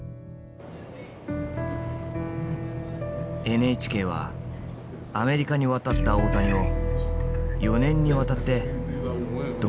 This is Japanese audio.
ＮＨＫはアメリカに渡った大谷を４年にわたって独自に記録してきた。